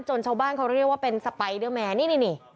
ชาวบ้านเขาเรียกว่าเป็นสไปเดอร์แมนนี่